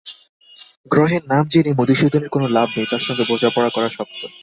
গ্রহের নাম জেনে মধুসূদনের কোনো লাভ নেই, তার সঙ্গে বোঝাপড়া করা শক্ত।